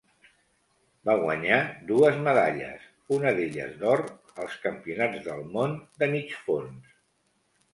Va guanyar dues medalles, una d'elles d'or, als Campionats del món de mig fons.